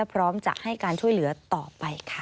พร้อมจะให้การช่วยเหลือต่อไปค่ะ